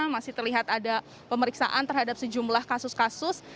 masih terlihat ada pemeriksaan terhadap sejumlah kasus kasus